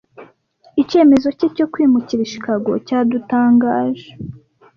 Icyemezo cye cyo kwimukira i Chicago cyadutangaje.